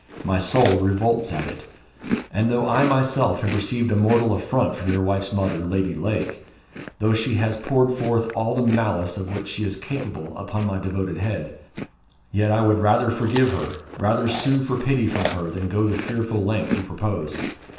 My soul revolts at it. And though I myself have received a mortal affront from your wife's mother, Lady Lake; though she has poured forth all the malice of which she is capable upon my devoted head; yet I would rather forgive her rather sue for pity from her than go the fearful length you propose.